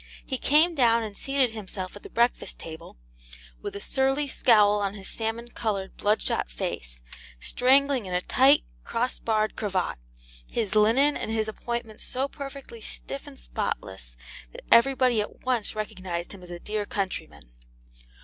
He came down and seated himself at the breakfast table, with a surly scowl on his salmon coloured bloodshot face, strangling in a tight, cross barred cravat; his linen and his appointments so perfectly stiff and spotless that everybody at once recognized him as a dear countryman.